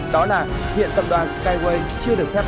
đó là hiện tập đoàn skyway chưa được phép